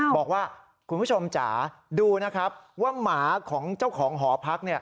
บอกว่าคุณผู้ชมจ๋าดูนะครับว่าหมาของเจ้าของหอพัก